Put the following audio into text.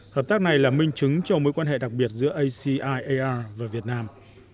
hợp tác này là minh chứng cho mối quan hệ đặc biệt giữa aciea và việt nam